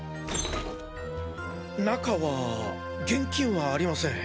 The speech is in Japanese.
中は現金はありません。